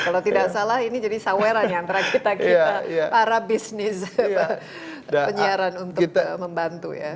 kalau tidak salah ini jadi saweran ya antara kita kita para bisnis penyiaran untuk membantu ya